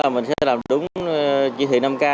mình sẽ làm đúng chỉ thị năm k